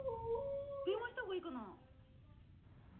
電話したほうがいいかな？